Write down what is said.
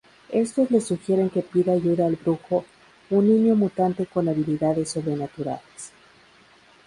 Estos le sugieren que pida ayuda al "Brujo", un niño mutante con habilidades sobrenaturales.